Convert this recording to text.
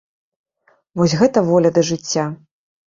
Вось гэта воля да жыцця!